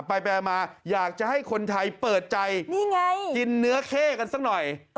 ไปมาอยากจะให้คนไทยเปิดใจนี่ไงกินเนื้อเข้กันสักหน่อย